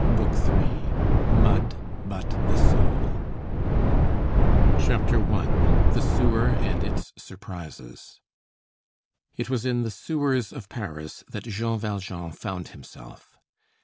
BOOK THIRD—MUD BUT THE SOUL CHAPTER I—THE SEWER AND ITS SURPRISES It was in the sewers of Paris that Jean Valjean found himself.